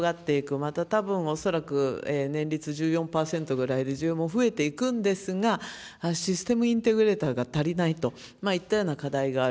またたぶん、恐らく、年率１４％ぐらいで、需要も増えていくんですが、システムインテグレーターが足りないといったような課題がある。